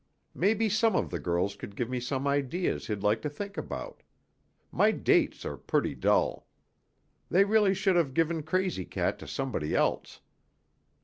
Maybe some of the girls could give me some ideas he'd like to think about; my dates are pretty dull. They really should have given Crazy Cat to somebody else.